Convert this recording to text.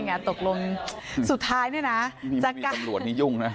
เป้งอ่ะตกลงสุดท้ายเนี่ยนะ